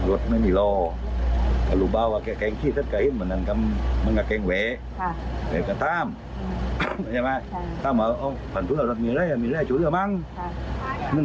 วิทธพงศ์ก็ฮ่าคุณไปซื้อแล้ว